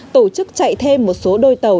tổ chức chạy thêm một số đôi tàu